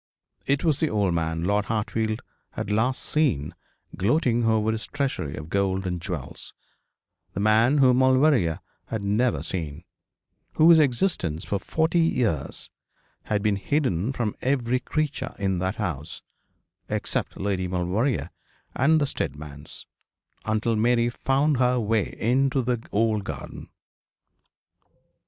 It was the old man Lord Hartfield had last seen gloating over his treasury of gold and jewels the man whom Maulevrier had never seen whose existence for forty years had been hidden from every creature in that house, except Lady Maulevrier and the Steadmans, until Mary found her way into the old garden.